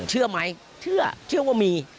เชื่อไหมเชื่อเชื่อว่ามี